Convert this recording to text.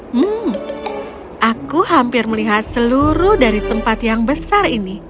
hmm aku hampir melihat seluruh dari tempat yang besar ini